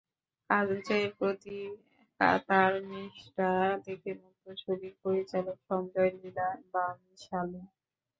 কাজের প্রতি তাঁর নিষ্ঠা দেখে মুগ্ধ ছবির পরিচালক সঞ্জয় লীলা বানশালী।